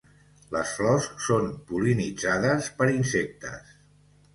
Les flors són pol·linitzades per insectes.